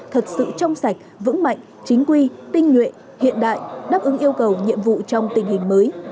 thật sự trong sạch vững mạnh chính quy tinh nguyện hiện đại đáp ứng yêu cầu nhiệm vụ trong tình hình mới